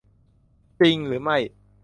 จริงหรือไม่ ?